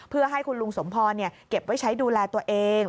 เพื่อให้คุณลุงสมพรเก็บไว้ใช้ดูแลตัวเอง